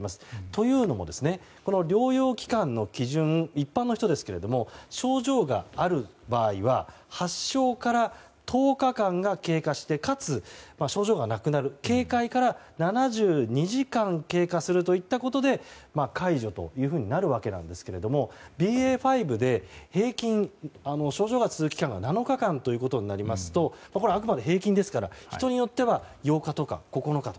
というのもこの療養期間の基準一般の人ですけど症状がある場合は発症から１０日間が経過してかつ症状がなくなる、軽快から７２時間経過するということで解除というふうになるわけですがＢＡ．５で症状が続く期間が７日間となりますとこれはあくまで平均ですから人によっては８日とか９日。